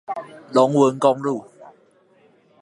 龍汶公路